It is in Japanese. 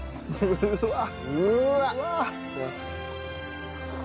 うわっ！